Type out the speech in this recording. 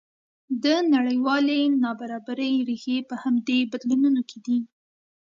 د نړیوالې نابرابرۍ ریښې په همدې بدلونونو کې دي.